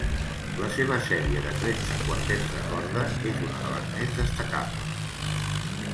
La seva sèrie de tretze quartets de corda és una de les més destacables.